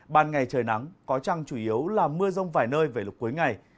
ban ngày trời nắng có trăng chủ yếu là mưa rông vài nơi về lúc cuối ngày